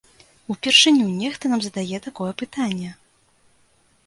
Упершыню нехта нам задае такое пытанне!